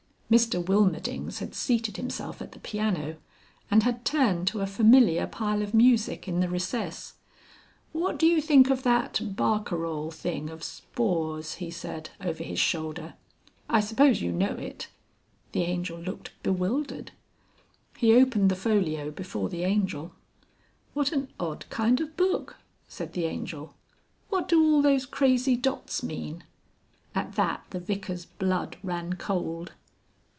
Mr Wilmerdings had seated himself at the piano, and had turned to a familiar pile of music in the recess. "What do you think of that Barcarole thing of Spohr's?" he said over his shoulder. "I suppose you know it?" The Angel looked bewildered. He opened the folio before the Angel. "What an odd kind of book!" said the Angel. "What do all those crazy dots mean?" (At that the Vicar's blood ran cold.)